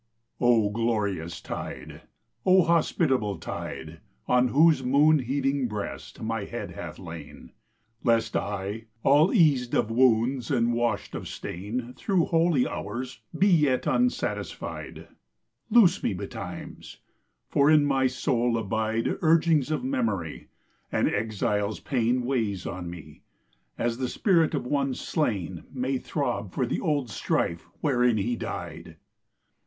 O GLORIOUS tide, O hospitable tide On whose moon heaving breast my head hath lain, Lest I, all eased of wounds and washed of stain Thro' holy hours, be yet unsatisfied, Loose me betimes! for in my soul abide Urgings of memory; and exile's pain Weighs on me, as the spirit of one slain May throb for the old strife wherein he died.